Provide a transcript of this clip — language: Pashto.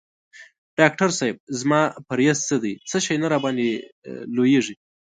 ډاکټر صېب زما پریز څه دی څه شی نه راباندي لویږي؟